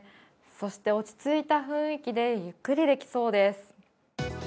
そして落ち着いた雰囲気でゆっくりできそうです。